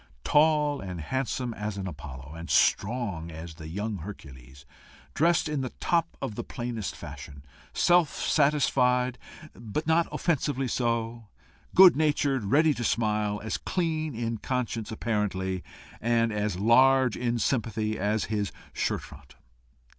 tall and handsome as an Apollo, and strong as the young Hercules, dressed in the top of the plainest fashion, self satisfied, but not offensively so, good natured, ready to smile, as clean in conscience, apparently, and as large in sympathy, as his shirt front.